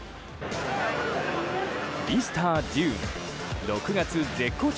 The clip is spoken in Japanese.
ミスタージューン６月絶好調